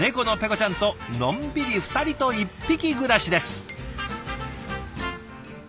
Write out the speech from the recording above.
ちゃんとのんびり２人と１匹暮らしです。